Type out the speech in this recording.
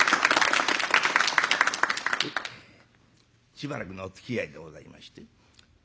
しばらくのおつきあいでございまして。